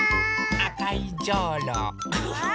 あかいじょうろ。